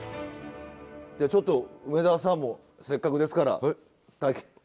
じゃあちょっと梅沢さんもせっかくですから体験。